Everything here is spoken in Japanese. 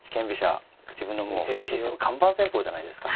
自分のもう藤井システム看板戦法じゃないですか。